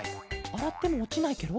あらってもおちないケロ？